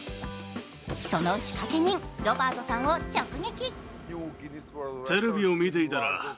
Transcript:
その仕掛け人・ロバートさんを直撃。